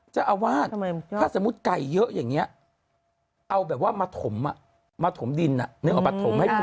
จะเอาวาสถ้าสมมุติไก่เยอะอย่างเนี่ยเอาแบบว่ามาถมอ่ะมาถมดินอ่ะ